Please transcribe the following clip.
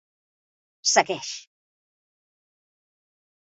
Segueix!